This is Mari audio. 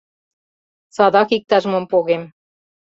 — Садак иктаж-мом погем.